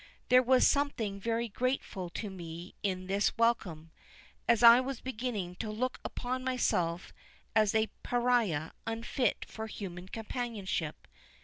There was something very grateful to me in this welcome, as I was beginning to look upon myself as a pariah unfit for human companionship.